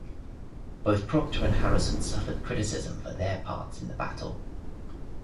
Both Procter and Harrison suffered criticism for their parts in the battle.